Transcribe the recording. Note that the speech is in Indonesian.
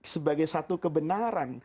sebagai satu kebenaran